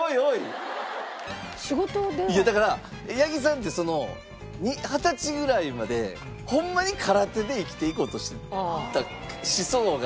いやだから八木さんってその二十歳ぐらいまでホンマに空手で生きていこうとした思想があったんで。